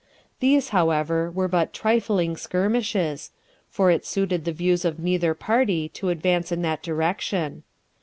These, however, were but trifling skirmishes, for it suited the views of neither party to advance in that direction.